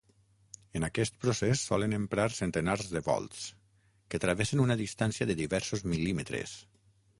En aquest procés solen emprar centenars de volts, que travessen una distància de diversos mil·límetres.